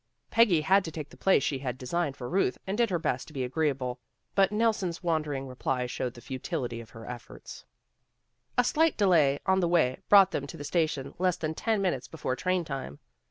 Peggy had to take the place she had designed for Ruth, and did her best to be agreeable, but Nelson's wandering replies showed the futility of her efforts. A slight delay on the way brought them to the station less than ten minutes before train time.